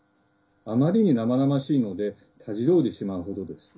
あまりに生々しいのでたじろいでしまうほどです。